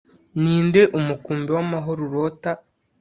Ninde umukumbi wamahoro urota